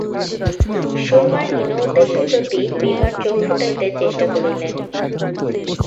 সুরমার হীন উদ্দেশ্যের প্রতি বিভার চোখ ফুটাইতে চেষ্টা করিলেন।